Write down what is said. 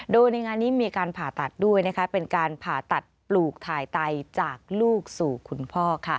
โดยในงานนี้มีการผ่าตัดด้วยเป็นการผ่าตัดปลูกถ่ายไตจากลูกสู่คุณพ่อ